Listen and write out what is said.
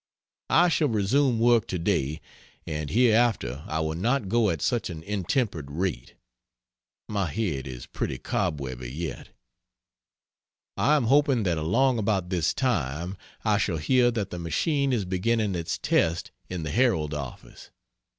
I shall resume work to day; and hereafter I will not go at such an intemperate' rate. My head is pretty cobwebby yet. I am hoping that along about this time I shall hear that the machine is beginning its test in the Herald office.